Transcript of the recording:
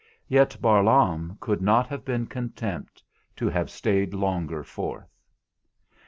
Yet Barlaam could have been content to have stayed longer forth.